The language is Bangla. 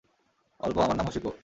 অল্প আমার নাম হশিকো।